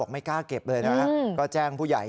ไม่กล้าเก็บเลยนะก็แจ้งผู้ใหญ่